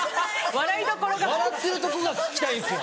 笑ってるとこが聞きたいんですよ。